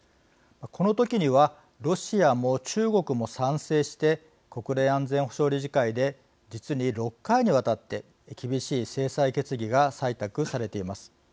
この時にはロシアも中国も賛成して国連安全保障理事会で実に６回にわたって厳しい制裁決議が採択されています。